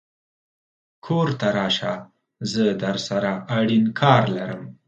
کور ته راشه زه درسره اړين کار لرم